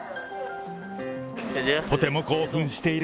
とても興奮している。